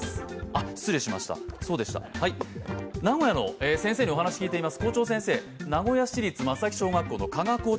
失礼しました、名古屋の先生にお話を聞いています。